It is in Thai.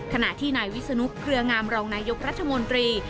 ขณะที่นายวิศนุเครืองามรองนายกรัฐมนตรี